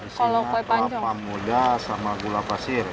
isinya kelapa muda sama gula pasir